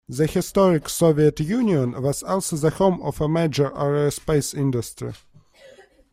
The historic Soviet Union was also the home of a major aerospace industry.